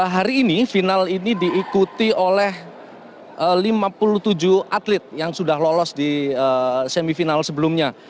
hari ini final ini diikuti oleh lima puluh tujuh atlet yang sudah lolos di semifinal sebelumnya